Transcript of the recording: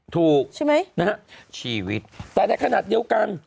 ถูกใช่ไหมนะฮะชีวิตแต่ในขณะเดียวกัน